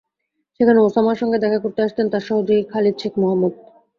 সেখানে ওসামার সঙ্গে দেখা করতে আসতেন তাঁর সহযোগী খালিদ শেখ মোহাম্মদ।